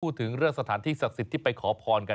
พูดถึงเรื่องสถานที่ศักดิ์สิทธิ์ที่ไปขอพรกัน